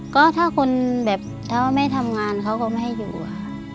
ก็ถ้าคุณถอบไม่ทำงานเค้าก็ไม่ให้อยู่ค่ะ